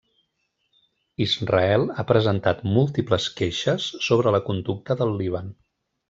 Israel ha presentat múltiples queixes sobre la conducta del Líban.